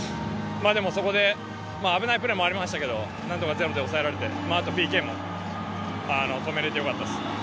そこで、危ないプレーもありましたけどなんとか０で抑えられてＰＫも止められてよかったです。